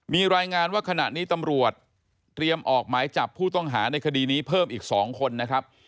มีรายงานว่าขณะนี้ตำรวจเตรียมออกหมายจับผู้ต้องหาในคดีนี้เพิ่มอีก๒คนนะครับ